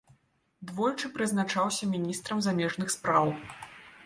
Двойчы прызначаўся міністрам замежных спраў.